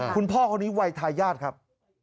คุณพ่อคนนี้วัยทายาทครับ